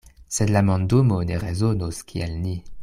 Sed la mondumo ne rezonos kiel ni.